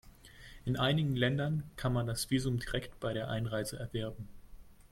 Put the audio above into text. In einigen Ländern kann man das Visum direkt bei der Einreise erwerben.